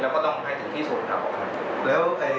แล้วกรรภ์ที่โดนทิ้งจะคุยเจอไหม